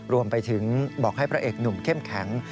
รวมไปถึงบอกให้พระเอกหนุ่มเข้มแข็ง